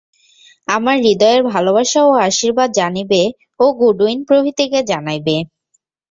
আমার হৃদয়ের ভালবাসা ও আশীর্বাদ জানিবে ও গুডউইন প্রভৃতিকে জানাইবে।